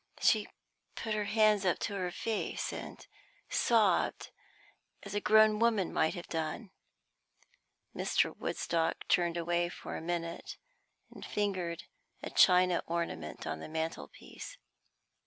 She put her hands up to her face, and sobbed as a grown woman might have done. Mr. Woodstock turned away for a minute, and fingered a china ornament on the mantelpiece.